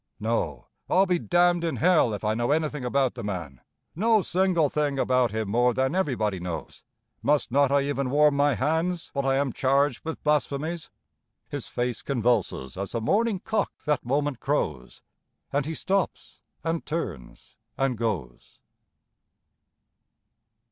"No! I'll be damned in hell if I know anything about the man! No single thing about him more than everybody knows! Must not I even warm my hands but I am charged with blasphemies?" ... —His face convulses as the morning cock that moment crows, And he stops, and turns, and goes.